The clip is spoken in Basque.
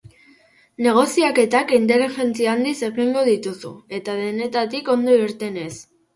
Negoziaketak inteligentzi handiz egingo dituzu eta denetatik ondo irtenez.